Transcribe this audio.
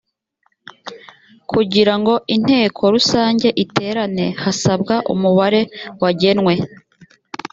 kugirango inteko rusange iterane hasabwa umubare wagenwe